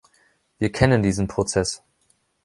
Wir kennen diesen Prozess.